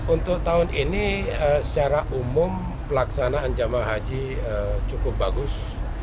untuk tahun ini secara umum pelaksanaan jamaah haji cukup bagus